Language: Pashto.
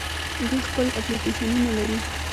دوی خپل اپلیکیشنونه لري.